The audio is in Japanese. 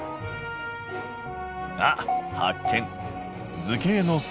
あっ発見！